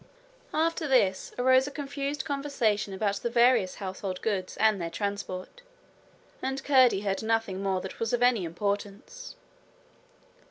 After this arose a confused conversation about the various household goods and their transport; and Curdie heard nothing more that was of any importance.